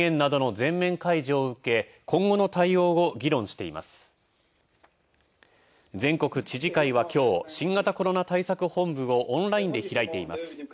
全国知事会は今日、新型コロナ対策本部をオンラインで開いています。